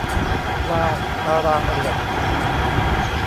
วาตารางเหลี่ยม